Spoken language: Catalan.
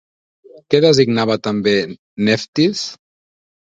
Què designava també Neftis?